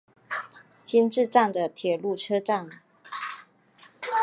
今治站的铁路车站。